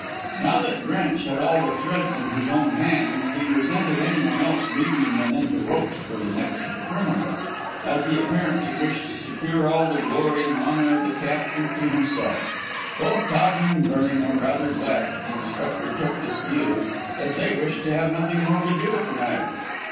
Now that Drench had all the threads in his own hands he resented anyone else weaving them into ropes for the necks of the criminals, as he apparently wished to secure all the glory and honour of the capture to himself. Both Towton and Vernon were rather glad that the Inspector took this view, as they wished to have nothing more to do with the matter.